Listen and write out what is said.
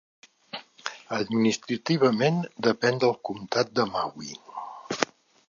Administrativament depèn del Comtat de Maui.